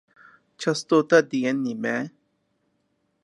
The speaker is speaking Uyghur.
چاستوتا دېگەن نېمە؟